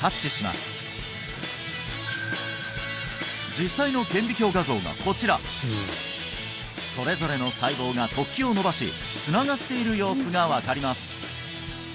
実際の顕微鏡画像がこちらそれぞれの細胞が突起を伸ばしつながっている様子が分かります